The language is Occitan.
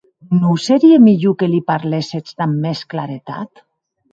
Non serie mielhor que li parléssetz damb mès claretat?